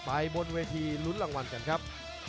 บนเวทีลุ้นรางวัลกันครับ